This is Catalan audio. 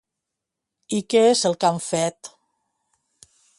I què és el que han fet?